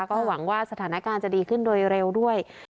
ก็หวังว่าสถานการณ์จะดีขึ้นโดยเร็วด้วย